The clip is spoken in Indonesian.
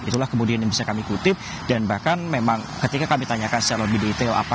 itulah kemudian yang bisa kami kutip dan bahkan memang ketika kami tanyakan secara lebih detail apa